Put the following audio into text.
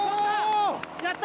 やった！